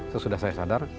sesudah saya sadar